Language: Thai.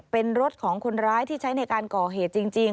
เป็นรถของคนร้ายที่ใช้ในการก่อเหตุจริง